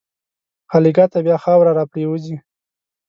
خالیګاه ته بیا خاوره راپرېوځي.